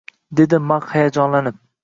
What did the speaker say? dedi Mak hayajonlanib